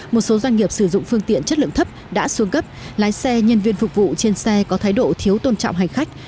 một số doanh nghiệp sử dụng phương tiện chất lượng thấp đã xuống cấp lái xe nhân viên phục vụ trên xe có thái độ thiếu tôn trọng hành khách